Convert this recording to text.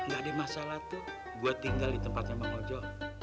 gak ada masalah tuh buat tinggal di tempatnya bang ojo